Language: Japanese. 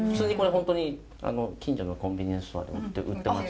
本当に近所のコンビニエンスストアでも売ってます。